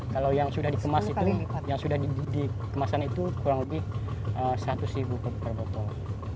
kalau yang sudah dikemas itu kurang lebih seratus per botol